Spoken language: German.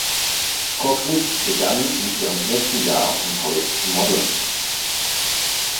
Kocsis begann in ihrem ersten Jahr auf dem College zu modeln.